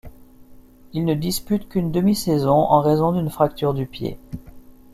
Il ne dispute qu'une demi saison en raison d'une fracture au pied.